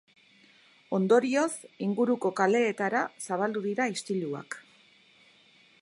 Ondorioz, inguruko kaleetara zabaldu dira istiluak.